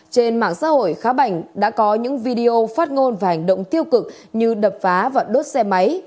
trên mạng xã hội khá bảnh đã có những video phát ngôn và hành động tiêu cực như đập phá và đốt xe máy